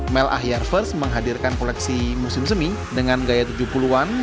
mel ahyar first menghadirkan koleksi musim semi dengan gaya tujuh puluh an